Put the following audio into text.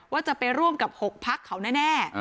ว่าจะไปร่วมกับ๖พักเขาแน่